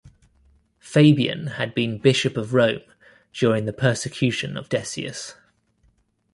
Fabian had been Bishop of Rome during the persecution of Decius.